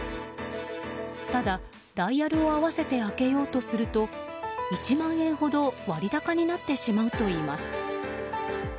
ただダイヤルを合わせて開けようとすると１万円ほど割高になってしまうといいます。